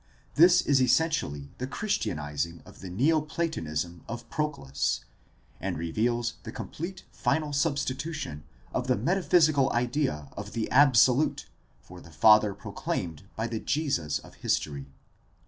This is essentially a Christianizing of the neo Platonism of Proclus and reveals the complete final substitu tion of the metaphysical idea of the Absolute for the Father proclaimed by the Jesus of history.